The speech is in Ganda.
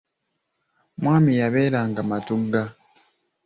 Mwami yabeeranga Matugga.